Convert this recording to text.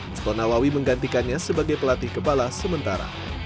uston nawawi menggantikannya sebagai pelatih kepala sementara